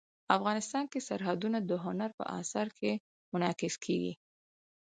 افغانستان کې سرحدونه د هنر په اثار کې منعکس کېږي.